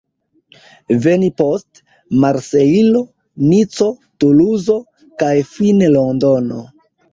Veni poste, Marsejlo, Nico, Tuluzo kaj fine Londono.